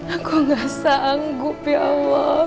aku gak sanggup ya allah